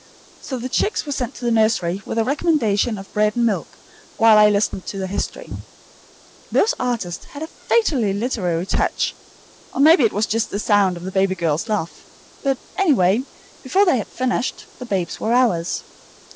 So the chicks were sent to the nursery, with a recommendation of bread and milk, while I listened to their history. Those artists had a fatally literary touch, or maybe it was just the sound of the baby girl's laugh, but, anyway, before they had finished, the babes were ours.